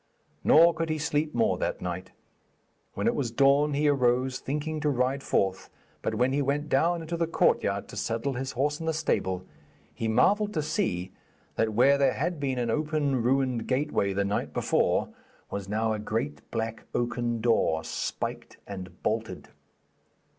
Nor could he sleep more that night. When it was dawn he arose, thinking to ride forth, but when he went down into the courtyard to saddle his horse in the stable, he marvelled to see that where there had been an open ruined gateway the night before, was now a great black oaken door, spiked and bolted.